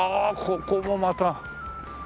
ここもまた。